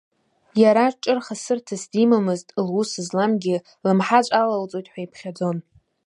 Иара ҿырхасырҭас димамызт, лус зламгьы лымҳаҵә алалҵоит ҳәа иԥхьаӡон.